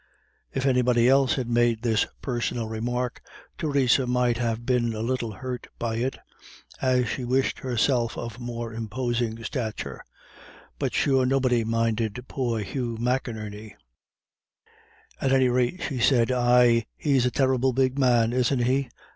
If anybody else had made this personal remark, Theresa might have been a little hurt by it, as she wished herself of more imposing stature; but sure nobody minded poor Hugh McInerney; at any rate she said, "Aye, he's a terrible big man, isn't he?